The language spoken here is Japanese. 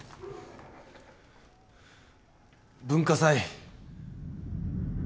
文化祭。